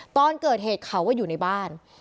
ตอนเกิดเหตุเขาก็อยู่ในบ้าน